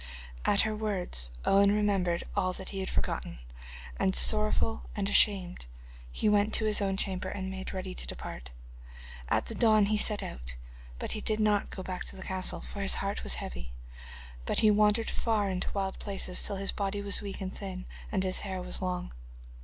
At her words Owen remembered all that he had forgotten, and sorrowful and ashamed he went to his own chamber and made ready to depart. At the dawn he set out, but he did not go back to the castle, for his heart was heavy, but he wandered far into wild places till his body was weak and thin, and his hair was long.